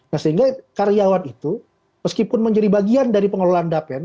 nah sehingga karyawan itu meskipun menjadi bagian dari pengelolaan dapen